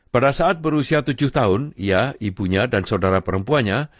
pada saat berusia tujuh tahun ia ibunya dan saudara perempuannya